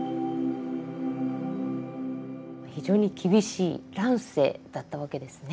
非常に厳しい乱世だったわけですね。